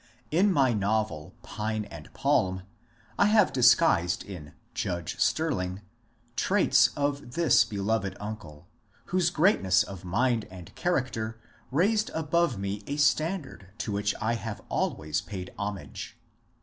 In my novel " Pine and Palm " I have disguised in " Judge Stirling" traits of this beloved uncle, whose greatness of mind and character raised above me a standard to which I have always paid homage.